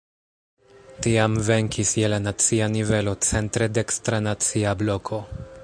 Tiam venkis je la nacia nivelo centre dekstra "Nacia Bloko".